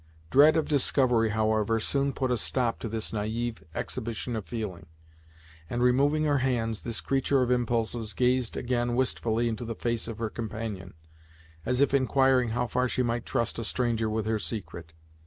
Dread of discovery, however, soon put a stop to this naive exhibition of feeling, and removing her hands, this creature of impulses gazed again wistfully into the face of her companion, as if inquiring how far she might trust a stranger with her secret.